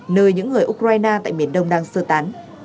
nơi những người ukraine tại miền đông đang sơ tán